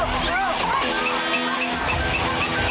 โอ้โฮโอ้โฮโอ้โฮ